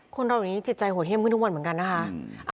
คนเราเดี๋ยวนี้จิตใจโหดเยี่ยมขึ้นทุกวันเหมือนกันนะคะ